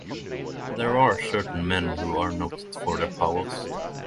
There are certain men who are noted for their powers.